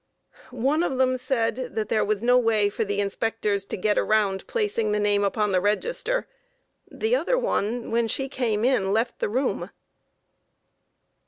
A. One of them said that there was no way for the inspectors to get around placing the name upon the register; the other one, when she came in, left the room.